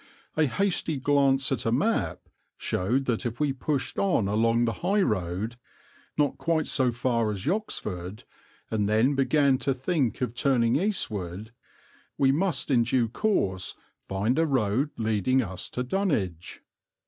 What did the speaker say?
A hasty glance at a map showed that if we pushed on along the high road not quite so far as Yoxford, and then began to think of turning eastward, we must in due course find a road leading us to Dunwich.